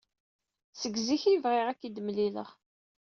Seg zik ay bɣiɣ ad k-id-mlileɣ.